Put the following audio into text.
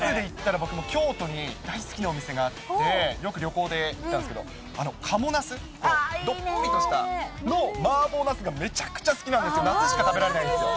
ナスでいったら、僕も京都に大好きなお店があって、よく旅行で行ったんですけど、賀茂ナス、どっぷりとしたマーボーナスがめちゃめちゃ好きなんですよ、夏しか食べられないんですよ。